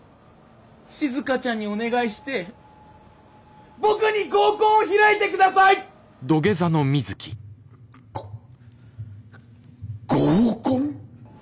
しずかちゃんにお願いして僕に合コンを開いて下さい！ご合コン！？